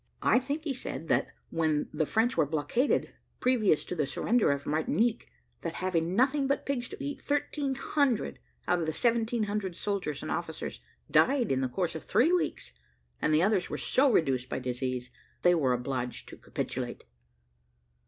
I think he said, that when the French were blockaded, previous to the surrender of Martinique, that having nothing but pigs to eat, thirteen hundred out of seventeen hundred soldiers and officers died in the course of three weeks, and the others were so reduced by disease, that they were obliged to capitulate.